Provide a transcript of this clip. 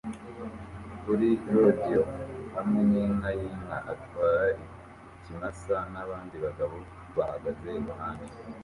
Kuri rodeo hamwe ninka yinka atwara ikimasa nabandi bagabo bahagaze iruhande